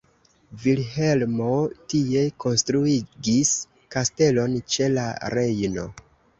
Vilhelmo tie konstruigis kastelon ĉe la Rejno.